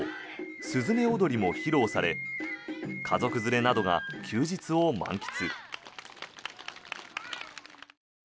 すずめ踊りも披露され家族連れなどが休日を満喫。